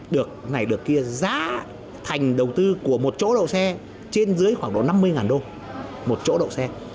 được giá thành đầu tư của một chỗ đậu xe trên dưới khoảng năm mươi đô một chỗ đậu xe